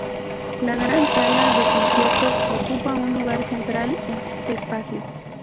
La Gran Sala de Conciertos ocupa un lugar central en este espacio.